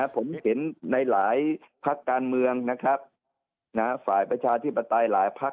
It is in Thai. ผมเห็นในหลายพักการเมืองนะครับฝ่ายประชาธิปไตยหลายพัก